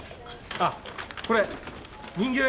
あっこれ人形焼！